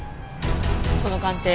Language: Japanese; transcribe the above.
その鑑定